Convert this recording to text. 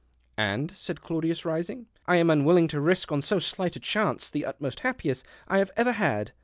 " And," said Claudius, rising, " I am un willing to risk on so slight a chance the utmost happiness I have ever had.